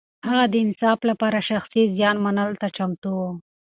هغه د انصاف لپاره شخصي زيان منلو ته چمتو و.